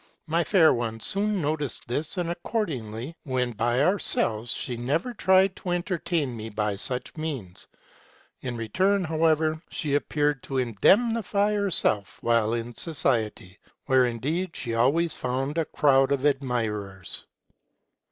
My fair one soon noticed this ; and accordingly, when by ourselves, she never tried to entertain me by such means : in return, however, she appeared to in demnify herself while in society, where, indeed, she always found a crowd of admirers.